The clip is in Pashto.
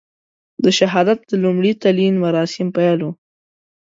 د شهادت د لومړي تلین مراسم پیل وو.